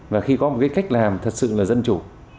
và khi có một cái cách làm thật sự là dân chủ